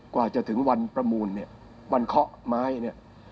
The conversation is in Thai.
กว่าจะถึงวันประมูลเนี่ยวันเคาะไม้เนี่ย